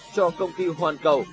cho công ty hoàn cầu